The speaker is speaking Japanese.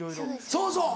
そうそう！